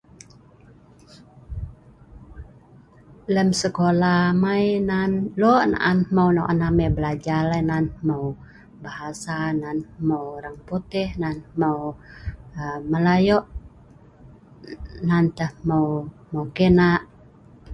Lem sekola amai nan lok naan hmeu nok naan amai blajar ai nan hmeu bahasa ngan hmeu Orang Putih ngan hmeu aa Melayok, aa nan tah hmeu aa Ke'nak